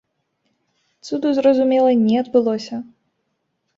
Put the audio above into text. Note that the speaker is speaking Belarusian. Цуду, зразумела, не адбылося.